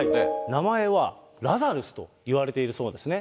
名前は、ラザルスといわれているそうですね。